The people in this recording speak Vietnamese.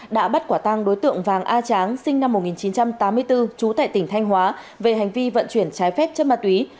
đã bắt quả tăng đối tượng vàng a tráng sinh năm một nghìn chín trăm tám mươi bốn trú tại tỉnh thanh hóa về hành vi vận chuyển trái phép chất ma túy